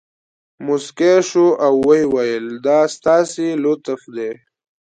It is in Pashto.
مسکی شو او ویې ویل دا ستاسې لطف دی.